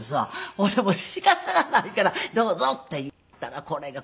ほんでもう仕方がないから「どうぞ」って言ったらこれが黒柳さん